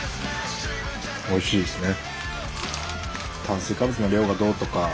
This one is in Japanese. おいしいですね。